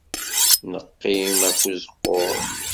Neqqim af uzeqquṛ.